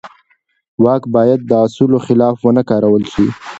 واک باید د اصولو خلاف ونه کارول شي.